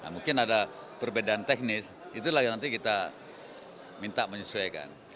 mungkin ada perbedaan teknis itulah yang nanti kita minta menyesuaikan